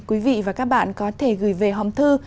quý vị và các bạn có thể gửi về hòm thư